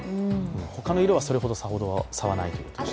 他の色はそれほど、さほど差はないといわれていました。